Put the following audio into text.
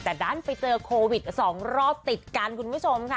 แต่ด้านไปเจอโควิด๒รอบติดกันคุณผู้ชมค่ะ